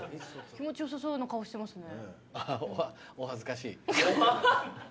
気持ちよさそうな顔してますね。